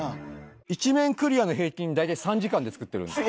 １面クリアの平均大体３時間で作ってるんで。